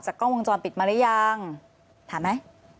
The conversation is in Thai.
กล้องวงจรปิดมาหรือยังถามไหม